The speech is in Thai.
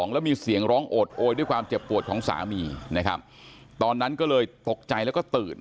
แล้วมีเสียงร้องโอดโอยด้วยความเจ็บปวดของสามีนะครับตอนนั้นก็เลยตกใจแล้วก็ตื่น